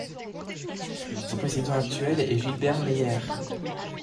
Son président actuel est Gilbert Meyer.